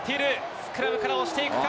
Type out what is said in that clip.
スクラムから押していくか。